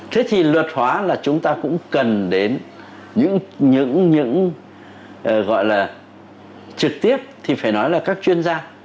thế thì luật hóa là chúng ta cũng cần đến những gọi là trực tiếp thì phải nói là các chuyên gia